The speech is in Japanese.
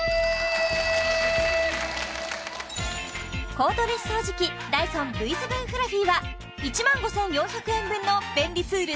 コードレス掃除機ダイソンＶ７フラフィは１万５４００円分の便利ツール